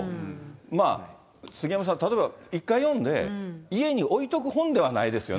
まあ、杉山さん、例えば１回読んで、家に置いとく本ではないですよね。